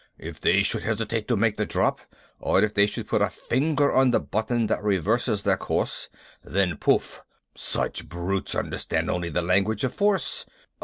If they should hesitate to make the drop or if they should put a finger on the button that reverses their course, then pouf! Such brutes understand only the language of force.